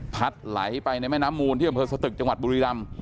ไหลไปในแม่น้ำมูลที่อำเภอสตึกจังหวัดบุรีรำ